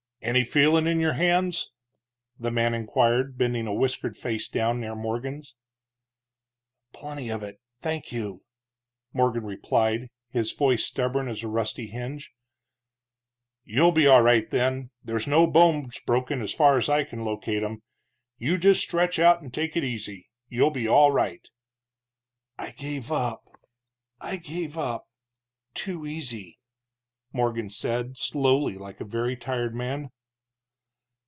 "Any feelin' in your hands?" the man inquired, bending a whiskered face down near Morgan's. "Plenty of it, thank you," Morgan replied, his voice stubborn as a rusty hinge. "You'll be all right then, there's no bones broken as far as I can locate 'em. You just stretch out and take it easy, you'll be all right." "I gave up I gave up too easy," Morgan said, slowly, like a very tired man.